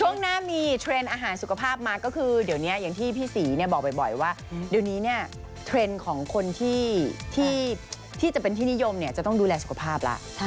ช่วงหน้ามีเทรนด์อาหารสุขภาพมาก็คือเดี๋ยวนี้อย่างที่พี่ศรีเนี่ยบอกบ่อยว่าเดี๋ยวนี้เนี่ยเทรนด์ของคนที่จะเป็นที่นิยมจะต้องดูแลสุขภาพแล้ว